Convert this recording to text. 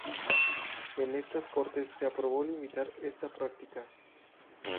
En estas Cortes se aprobó limitar esta práctica.